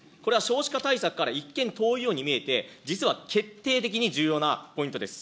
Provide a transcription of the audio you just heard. これは少子化対策から一見遠いように見えて、実は決定的に重要なポイントです。